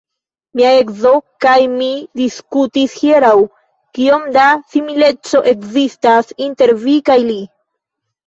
Mia edzo kaj mi diskutis hieraŭ, kiom da simileco ekzistas inter vi kaj li.